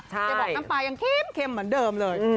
แกบอกน้ำปลายังเค็มเหมือนเดิมเลย